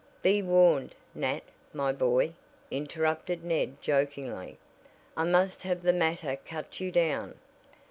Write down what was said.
"Be warned, Nat, my boy," interrupted Ned, jokingly. "I must have the mater cut you down.